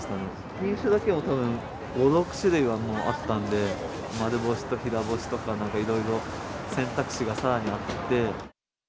品種だけでもたぶん５、６種類はあったんで、丸干しと、平干しとか、いろいろ選択肢がさらにあって。